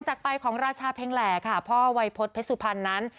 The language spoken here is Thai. หลังจากไปของราชาเพลงแหลพ่อไวพลเพจสุพรรณนั้น